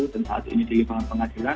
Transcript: dan saat ini dilimpahkan pengadilan